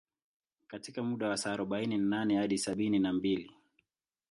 Katika muda wa saa arobaini na nane hadi sabini na mbili